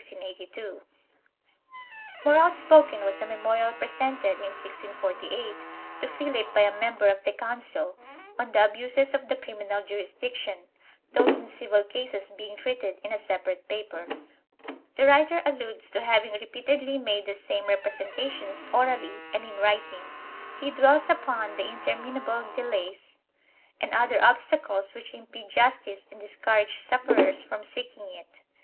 3 More outspoken was a memorial pre sented, in 1648, to Philip by a member of the Council, on the abuses of the criminal jurisdiction, those in civil cases being treated in a separate paper. The writer alludes to having re peatedly made the same representations orally and in writing; he dwells upon the interminable delays and other obstacles which impede justice and discourage sufferers from seeking it.